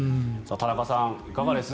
田中さん、いかがです？